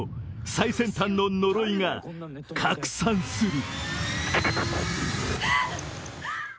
最先端ののろいが拡散する。